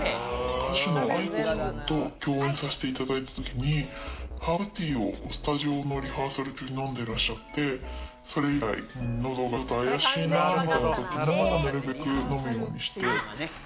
歌手のａｉｋｏさんと共演させていただいた時に、ハーブティーをスタジオのリハーサル中に飲んでらっしゃって、それ以来、喉がちょっとあやしいなぁって時も、なるべく飲むようにして。